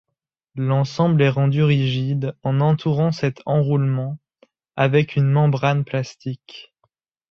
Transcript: L'ensemble est rendu rigide en entourant cet enroulement avec une membrane plastique.